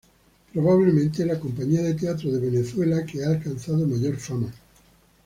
Probablemente, la compañía de teatro de Venezuela que ha alcanzado mayor fama.